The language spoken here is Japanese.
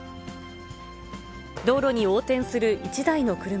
道路に横転する一台の車。